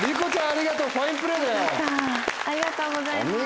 ありがとうございます。